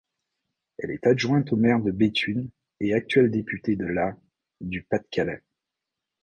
Elle est adjointe au maire de Béthune et actuelle députée de la du Pas-de-Calais.